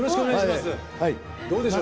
どうでしょう。